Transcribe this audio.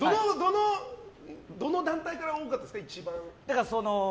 どの団体から多かったですか？